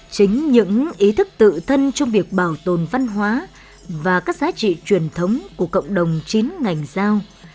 chính những ý thức tự thân trong việc bảo tồn văn hóa và các giá trị truyền thống của cộng đồng chính ngành giao